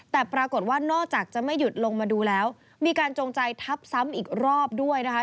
แต่ปรากฏว่านอกจากจะไม่หยุดลงมาดูแล้วมีการจงใจทับซ้ำอีกรอบด้วยนะคะ